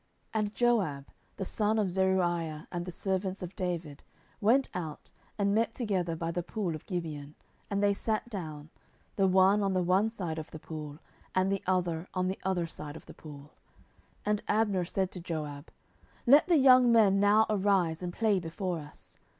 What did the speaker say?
10:002:013 And Joab the son of Zeruiah, and the servants of David, went out, and met together by the pool of Gibeon: and they sat down, the one on the one side of the pool, and the other on the other side of the pool. 10:002:014 And Abner said to Joab, Let the young men now arise, and play before us.